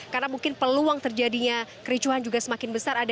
karena mungkin peluang terjadinya kericuhan juga semakin besar